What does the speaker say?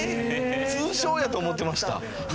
通称やと思ってました。